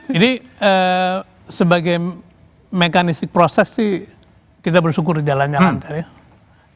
jadi sebagai mekanis proses sih kita bersyukur jalan jalan tadi ya